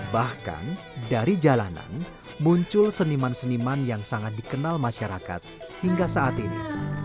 bahkan dari jalanan muncul seniman seniman yang sangat dikenal masyarakat hingga saat ini